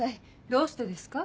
どうしてですか？